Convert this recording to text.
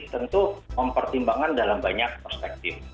tentu mempertimbangkan dalam banyak perspektif